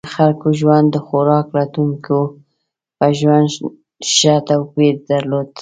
د خلکو ژوند د خوراک لټونکو په ژوند ښه توپیر درلود.